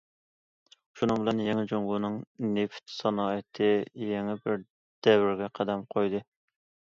شۇنىڭ بىلەن يېڭى جۇڭگونىڭ نېفىت سانائىتى يېڭى بىر دەۋرگە قەدەم قويدى.